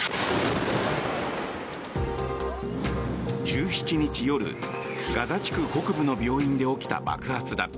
１７日夜、ガザ地区北部の病院で起きた爆発だ。